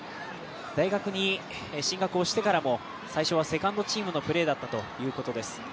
大学に進学をしてからも最初はセカンドチームのプレーだったということです。